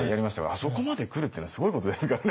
あそこまで来るっていうのはすごいことですからね